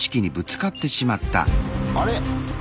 あれ？